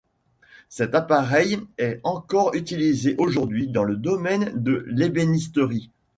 Cet appareil est encore utilisé aujourd'hui dans le domaine de l'ébénisterie.